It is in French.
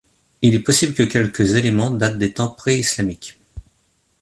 Il est possible que quelques éléments datent des temps pré-islamiques.